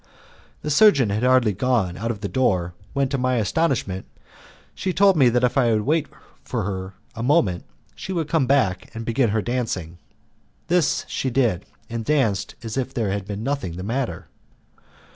The surgeon had hardly gone out of the door when to my astonishment she told me that if I would wait for her a moment she would come back and begin her dancing. This she did, and danced as if there had been nothing the matter.